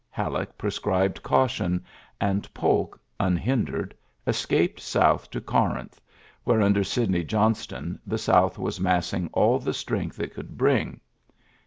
Halleck prescribed caution; and Polk, unhindered, escaped south to Corinth, where under Sidney Johnston the South was massing all the strength it could bring.